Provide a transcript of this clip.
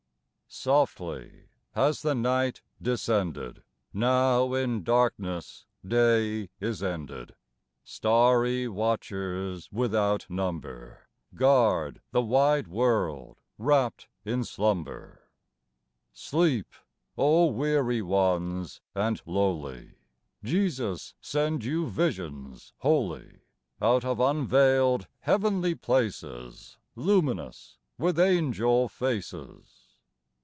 Softly has the night descended ; Now in darkness day is ended : Starry watchers without number Guard the wide world wrapped in slumber. Sleep, O weary ones and lowly ! Jesus send you visions holy Out of unveiled heavenly places, Luminous with angel faces